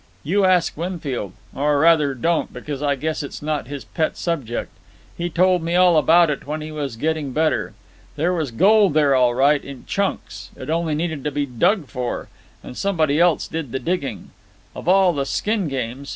"You ask Winfield. Or, rather, don't, because I guess it's not his pet subject. He told me all about it when he was getting better. There was gold there, all right, in chunks. It only needed to be dug for. And somebody else did the digging. Of all the skin games!